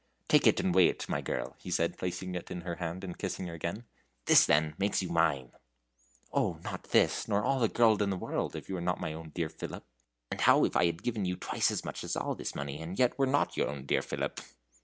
"Take it and weigh it, my girl," he said, placing it in her hand and kissing her again. "This, then, makes you mine!" "Oh, not THIS nor all the gold in the world, if you were not my own dear Philip!" "And how if I had given you twice as much as all this money, and yet were not your own dear Philip?"